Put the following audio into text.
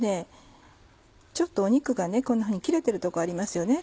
肉がこんなふうに切れてるとこありますよね。